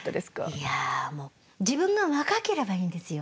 いやもう自分が若ければいいんですよ。